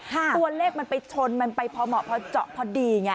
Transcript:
ตัวเลขมันไปชนมันไปพอเหมาะพอเจาะพอดีไง